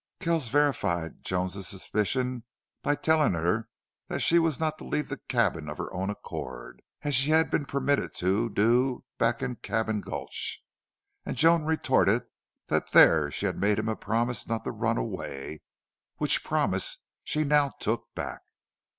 Kells verified Joan's suspicion by telling her that she was not to leave the cabin of her own accord, as she had been permitted to do back in Cabin Gulch; and Joan retorted that there she had made him a promise not to run away, which promise she now took back.